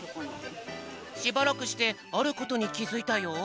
しばらくしてあることにきづいたよ。